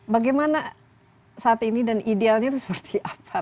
bagaimana saat ini dan idealnya itu seperti apa